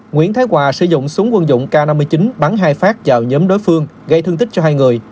nguyễn thái hòa sử dụng súng quân dụng k năm mươi chín bắn hai phát vào nhóm đối phương gây thương tích cho hai người